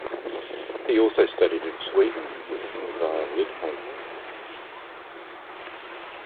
He also studied in Sweden with Ingvar Lidholm.